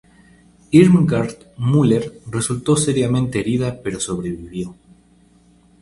Irmgard Möller resultó seriamente herida pero sobrevivió.